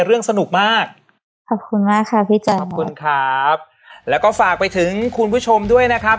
เรื่องสนุกมากขอบคุณมากค่ะพี่จ๋อขอบคุณครับแล้วก็ฝากไปถึงคุณผู้ชมด้วยนะครับ